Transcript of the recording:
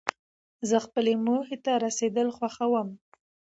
زه خپلې موخي ته رسېدل خوښوم.